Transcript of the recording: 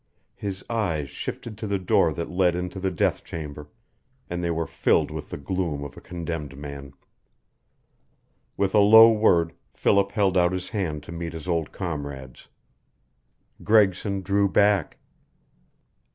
His eyes shifted to the door that led into the death chamber, and they were filled with the gloom of a condemned man. With a low word Philip held out his hand to meet his old comrade's. Gregson drew back.